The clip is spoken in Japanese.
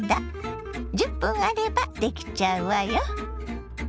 １０分あればできちゃうわよ。